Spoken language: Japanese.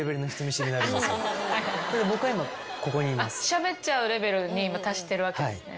しゃべっちゃうレベルに達してるわけですね。